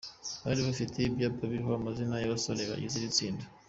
Bari bafite ibyapa biriho amazina y'abasore bagize iri tsinda.